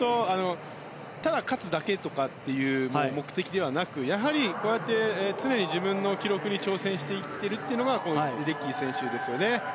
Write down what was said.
ただ勝つだけという目的だけでなくやはり、常に自分の記録に挑戦していっているのがレデッキー選手ですよね。